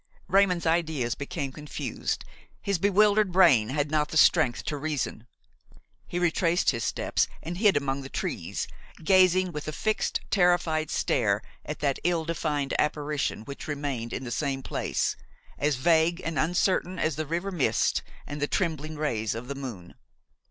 Raymon's ideas became confused; his bewildered brain had not the strength to reason. He retraced his steps and hid among the trees, gazing with a fixed, terrified stare at that ill defined apparition which remained in the same place, as vague and uncertain as the river mist and the trembling rays of the moon.